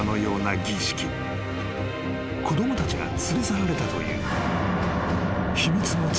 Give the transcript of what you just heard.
［子供たちが連れ去られたという］